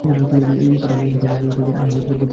একই কথা, আমাকে কঠোর পরিশ্রম করতে হচ্ছে।